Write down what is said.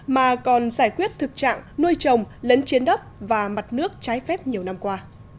mà còn giải quyết thực trạng nuôi chồng lấn chiến đất và mặt nước trái phép nhiều năm qua